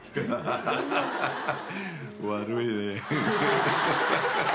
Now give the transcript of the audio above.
悪いねー。